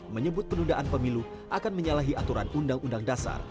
menyebut penundaan pemilu akan menyalahi aturan undang undang dasar